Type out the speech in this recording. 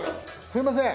すいません！